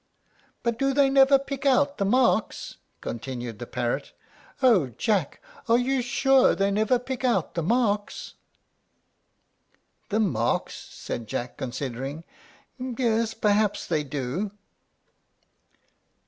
"But do they never pick out the marks?" continued the parrot. "O Jack! are you sure they never pick out the marks?" "The marks?" said Jack, considering. "Yes, perhaps they do."